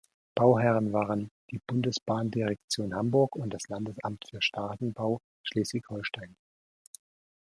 Bauherren waren die Bundesbahndirektion Hamburg und das Landesamt für Straßenbau Schleswig-Holstein.